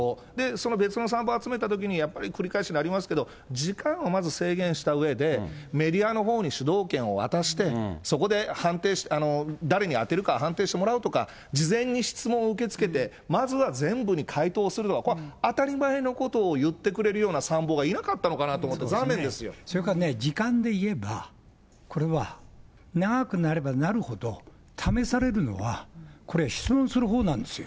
その別の参謀を集めたときに、やっぱり繰り返しになりますけど、時間をまず制限したうえで、メディアのほうに主導権を渡して、そこで判定、誰に当てるか判定してもらうとか、事前に質問を受け付けて、まずは全部に回答するのが、これ、当たり前のことを言ってくれるような参謀がいなかったのかなと思それからね、時間でいえば、これは長くなればなるほど、試されるのは、これは質問するほうなんですよ。